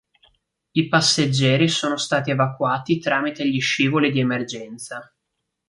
I passeggeri sono stati evacuati tramite gli scivoli di emergenza.